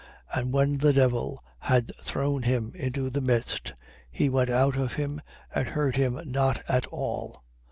And when the devil had thrown him into the midst, he went out of him and hurt him not at all.